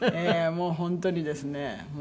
もう本当にですね